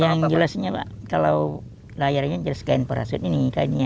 yang jelasnya pak kalau layarnya jelas kain perhasil ini kainnya